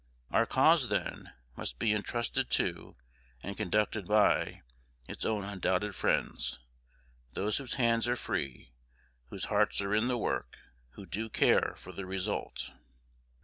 Our cause, then, must be intrusted to, and conducted by, its own undoubted friends, those whose hands are free, whose hearts are in the work, who do care for the result.